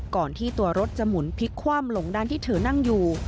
ก่อนที่ตัวรถจะหมุนพลิกคว่ำลงด้านที่เธอนั่งอยู่